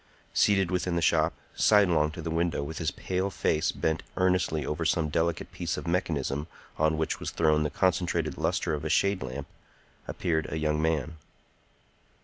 Seated within the shop, sidelong to the window with his pale face bent earnestly over some delicate piece of mechanism on which was thrown the concentrated lustre of a shade lamp, appeared a young man.